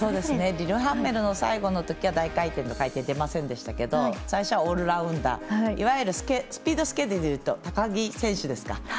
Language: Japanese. リレハンメルの最後のとき大回転と回転には出ませんでしたけど最初はオールラウンダーいわゆるスピードスケートでいう高木選手ですか。